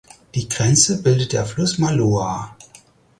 Die Grenze bildet der Fluss Maloa.